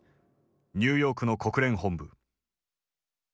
ニューヨークの国連本部。